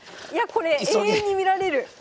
いやこれ永遠に見られる。